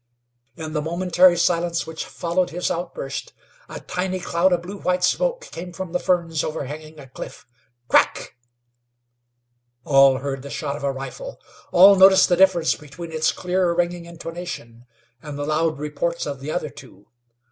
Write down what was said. In the momentary silence which followed his outburst, a tiny cloud of blue white smoke came from the ferns overhanging a cliff. Crack! All heard the shot of a rifle; all noticed the difference between its clear, ringing intonation and the loud reports of the other two.